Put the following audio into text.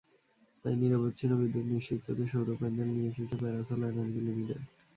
তাই নিরবচ্ছিন্ন বিদ্যুৎ নিশ্চিত করতে সৌর প্যানেল নিয়ে এসেছে প্যারাসোল এনার্জি লিমিটেড।